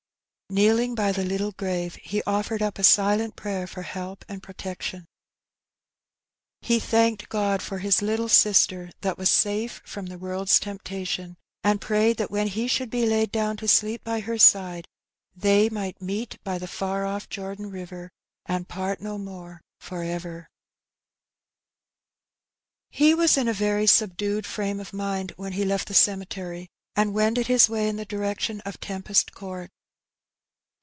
'* Kneeling by the little grave, he offered up a silent prayer for help and protection. The Rbwabd of Well doing. 279 Ho thanked God for his little siater that was safe from the world's temptation, and prayed that when he should be laid down to sleep by her side, they might meet by the far ofif Jordan riverj and part no more for ever. •KSif^^' *■'^■^^ ~J "^""^^ He was in a very snbdned frame of mind when he lefl the cemetery and wended his way in the direction of Tempest Court.